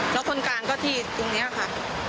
แล้วคนกลางก็ที่ตรงนี้ค่ะ